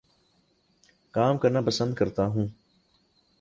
کام کرنا پسند کرتا ہوں